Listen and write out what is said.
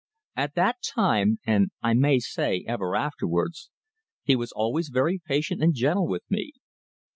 At that time, and I may say, ever afterwards, he was always very patient and gentle with me.